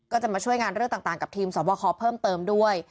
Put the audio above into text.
ก็จะมาช่วยงานเรื่องต่างกับทีมสอบคอเพิ่มเติมด้วย